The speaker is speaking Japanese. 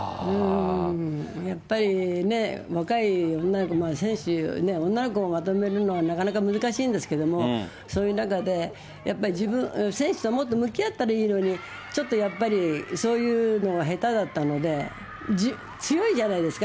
やっぱりね、若い女の子、選手、女の子をまとめるのは、なかなか難しいんですけども、そういう中で、やっぱり選手ともっと向き合ったらいいのに、ちょっとやっぱり、そういうのが下手だったので、強いじゃないですか。